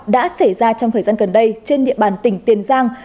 đã xảy ra trong thời gian gần đây trên địa bàn tỉnh tiền giang